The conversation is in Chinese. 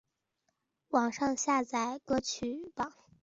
网上下载歌曲榜